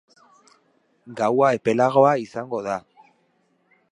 Gaua epelagoa izango da.